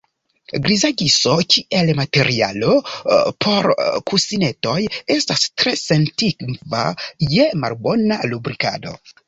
Griza giso kiel materialo por kusinetoj estas tre sentiva je malbona lubrikado.